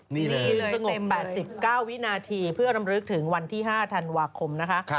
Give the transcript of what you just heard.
นี่เลยสงบ๘๙วินาทีเพื่อรำลึกถึงวันที่๕ธันวาคมนะคะ